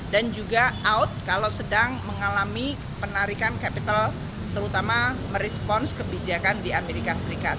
juga out kalau sedang mengalami penarikan capital terutama merespons kebijakan di amerika serikat